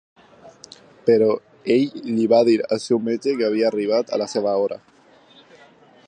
Però ell li va dir al seu metge, que havia arribat la seva hora.